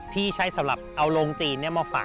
ที่ใช้สำหรับเอาโรงจีนมาฝัง